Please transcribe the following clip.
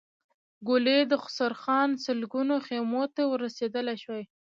ګولۍ يې د خسروخان سلګونو خيمو ته ور رسېدای شوای.